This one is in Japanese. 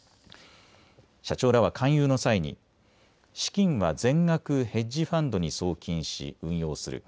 社長らは勧誘の際に資金は全額ヘッジファンドに送金し運用する。